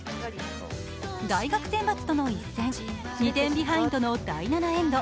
大学選抜との一戦、２点ビハインドの第７エンド。